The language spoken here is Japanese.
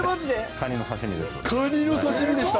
カニの刺身でした。